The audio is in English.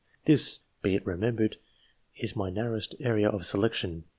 This, be it remembered, is my narrowest area of selection.